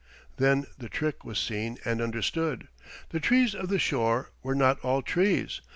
Then the trick was seen and understood. The trees of the shore were not all trees.